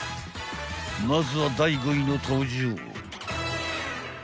［まずは第５位の登場］